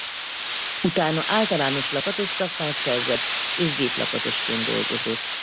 Utána általános lakatos szakmát szerzett és géplakatosként dolgozott.